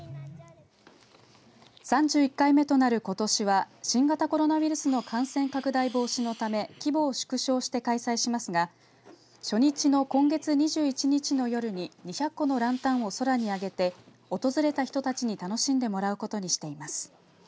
３１回目となることしは新型コロナウイルスの感染拡大防止のため規模を縮小して開催しますが初日の今月２１日の夜に２００個のランタンを空にあげて訪れた人たちに楽しんでもらうことにしています。